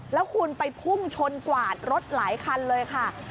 แล้วคุณไปพุ่งชนกวาดรถหลายคันเลยค่ะ